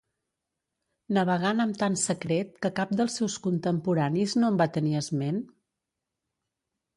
Navegant amb tant secret que cap dels seus contemporanis no en va tenir esment?